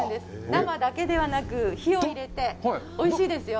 生だけではなく、火を入れて、おいしいですよ。